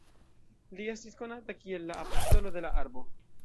Li estis konata kiel "la apostolo de la arbo".